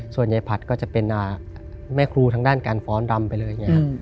ส่วนยายผัดก็จะเป็นแม่ครูทางด้านการฟ้อนรำไปเลย